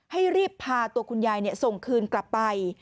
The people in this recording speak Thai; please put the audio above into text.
ให้รีบพาตัวคุณยายส่งคืนกลับไป